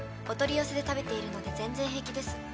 お取り寄せで食べているので全然平気です。